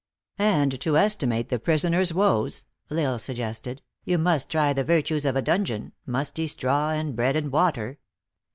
" And to estimate the prisoner s woes," L Isle sug gested, " you must try the virtues of a dungeon musty straw, and bread and water."